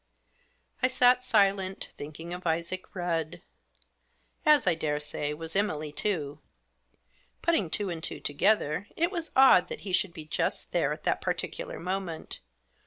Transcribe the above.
I sat silent, thinking of Isaac Rudd ; as, I daresay, was Emily too. Putting two and two together, it was odd that he should be just there at that particular moment.